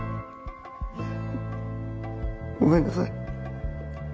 ごめんなさい。